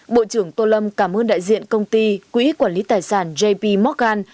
bộ trưởng tô lâm cảm ơn đại diện công ty quỹ quản lý tài sản jp morgan